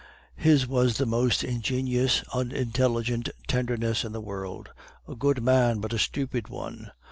His was the most ingenious unintelligent tenderness in the world. A good man, but a stupid one!